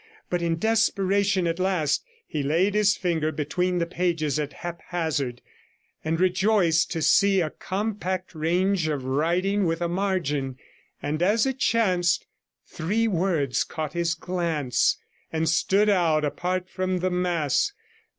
But in desperation at last he laid his finger between the pages at haphazard, and rejoiced to see a compact range of writing with a margin, and as it chanced, three words caught his glance and stood out apart from the mass.